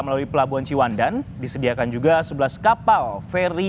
melalui pelabuhan ciwandan disediakan juga sebelas kapal feri